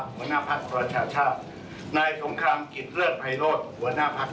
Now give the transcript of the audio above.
หัวหน้าภักดิ์ฟลชาชาตินายสมครามกิจเลือดต์หัวหน้าภักดิ์